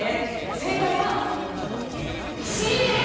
正解はＣです。